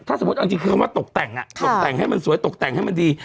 ถ้าสมมุติเอาจริงคือคำว่าตกแต่งตกแต่งให้มันสวยตกแต่งให้มันดี